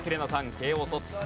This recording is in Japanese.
慶應卒。